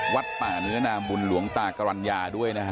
วัดป่าเนื้อนามบุญหลวงตากรรณญาด้วยนะฮะ